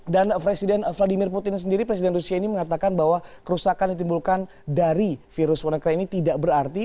dan presiden vladimir putin sendiri presiden rusia ini mengatakan bahwa kerusakan yang ditimbulkan dari virus wannacry ini tidak berarti